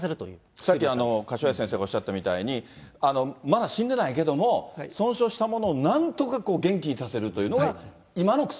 さっき柏谷先生がおっしゃったみたいに、まだ死んでないけども、損傷したものをなんとか元気にさせるというのが、今の薬。